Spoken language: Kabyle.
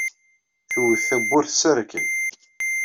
Twet tawwurt s rrkel.